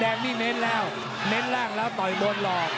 แดงก็มิเม้นแล้วเม้นล่างแล้วต่อยบนลอ